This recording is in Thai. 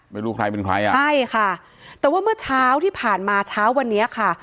ไม่รู้ใครเป็นใครอ่ะใช่ค่ะแต่ว่าเมื่อเช้าที่ผ่านมาเช้าวันนี้ค่ะ